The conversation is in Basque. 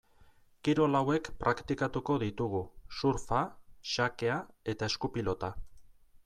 Kirol hauek praktikatuko ditugu: surfa, xakea eta eskupilota.